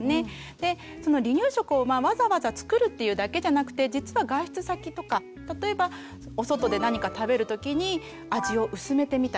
でその離乳食をわざわざ作るっていうだけじゃなくて実は外出先とか例えばお外で何か食べる時に味を薄めてみたりとか。